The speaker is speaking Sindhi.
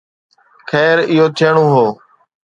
خير، اهو ٿيڻو هو.